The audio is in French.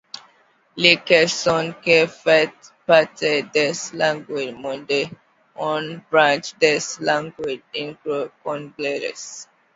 Le khassonké fait partie des langues mandées, une branche des langues nigéro-congolaises.